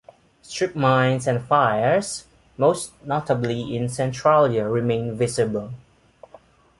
Strip mines and fires, most notably in Centralia remain visible.